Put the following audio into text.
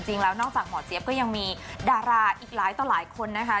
นอกจากหมอเจี๊ยบก็ยังมีดาราอีกหลายต่อหลายคนนะคะ